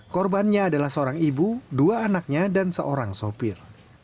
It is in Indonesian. korbannya adalah seorang ibu dua anaknya dan seorang sopir